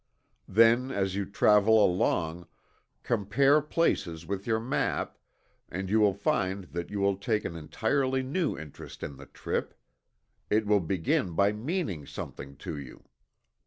Then as you travel along, compare places with your map, and you will find that you will take an entirely new interest in the trip it will begin by meaning something to you.